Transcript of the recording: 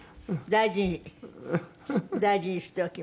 大事に大事にしておきます。